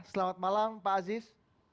selamat malam pak aziz